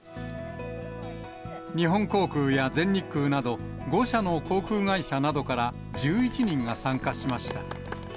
日本航空や全日空など、５社の航空会社などから１１人が参加しました。